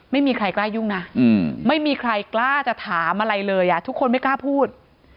ไม่มีใครกล้ายุ่งนะไม่มีใครกล้าจะถามอะไรเลยทุกคนไม่กล้าพูด